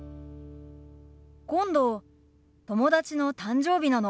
今度友達の誕生日なの。